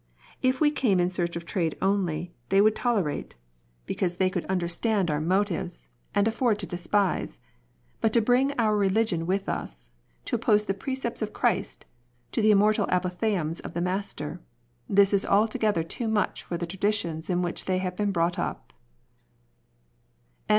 If we came in search of trade only, they would tolerate, because they could * Paper, pens (t.e. brushes), ink, and the ink slab. MONEY. 151 understand our motives, and afford to despise ; but to bring our religion with us, to oppose tbe precepts of Christ to the immortal apophthegms of the Master, this is altogether too much for the traditions in which they have been brought up.